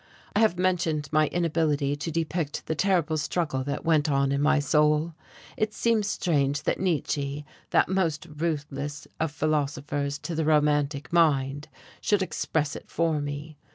I have mentioned my inability to depict the terrible struggle that went on in my soul. It seems strange that Nietzsche that most ruthless of philosophers to the romantic mind! should express it for me.